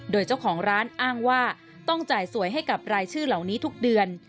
โดยเจ้าของร้านอ้างว่าต้องจ่ายสวยให้กับรายชื่อเหล่านี้ทุกเดือน